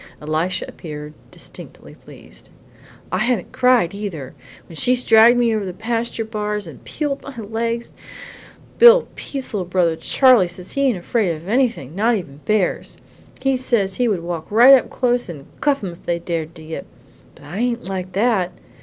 Elisha appeared distinctly pleased. "I haven't cried, either, when she's dragged me over the pasture bars and peeled my legs. Bill Petes's little brother Charlie says he ain't afraid of anything, not even bears. He says he would walk right up close and cuff em if they dared to yip; but I ain't like that!